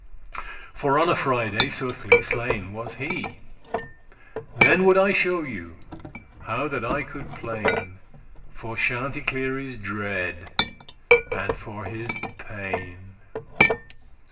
(For on a Friday, soothly, slain was he), Then would I shew you how that I could plain* *lament For Chanticleere's dread, and for his pain.